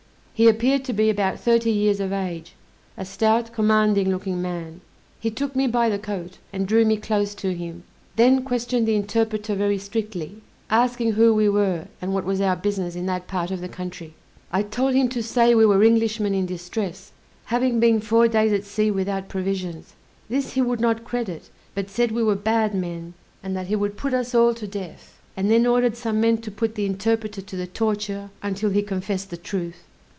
He appeared to be about thirty years of age, a stout commanding looking man. He took me by the coat, and drew me close to him; then questioned the interpreter very strictly, asking who we were, and what was our business in that part of the country. I told him to say we were Englishmen in distress, having been four days at sea without provisions. This he would not credit, but said we were bad men, and that he would put us all to death; and then ordered some men to put the interpreter to the torture until he confessed the truth.